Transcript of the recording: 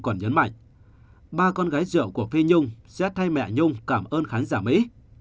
còn nhấn mạnh ba con gái rượu của phi nhung sẽ thay mẹ nhung cảm ơn khán giả mỹ